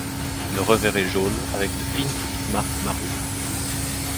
Le revers est jaune avec de fines petites marques marron.